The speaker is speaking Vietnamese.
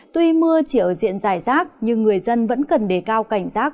tuy mưa chỉ ở diện rải rác nhưng người dân vẫn cần đề cao cảnh rác